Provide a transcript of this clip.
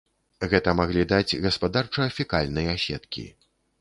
Гэта маглі даць гаспадарча-фекальныя сеткі.